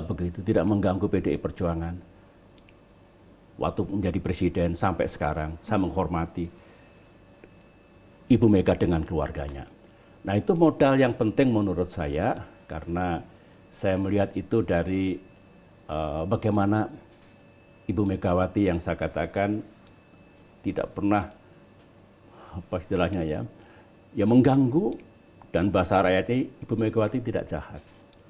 bagaimana ibu megawati yang saya katakan tidak pernah mengganggu dan bahasa rakyatnya ibu megawati tidak jahat